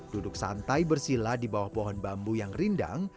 duduk santai bersila di bawah pohon bambu yang rindang